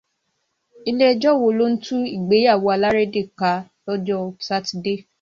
Ilé ẹjọ́ wo ló n tú ìgbéyàwó alárédè ká lọ́jọ́ Sátidé?